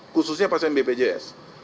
khususnya pasien bpjs